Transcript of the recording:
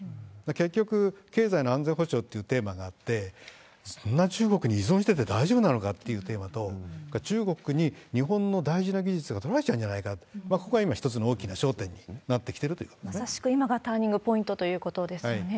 結局、経済の安全保障というテーマがあって、そんな中国に依存してて大丈夫なのかっていうテーマと、中国に日本の大事な技術が取られちゃうんじゃないか、ここが今、一つの大きな焦点になってきてるということですよね。